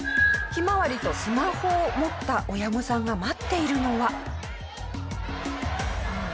ひまわりとスマホを持った親御さんが待っているのは。